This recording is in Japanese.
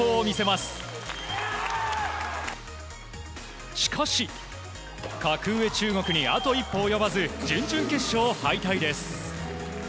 しかし、格上・中国にあと一歩及ばず準々決勝敗退です。